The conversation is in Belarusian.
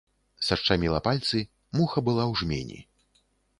Сашчаміла пальцы, муха была ў жмені.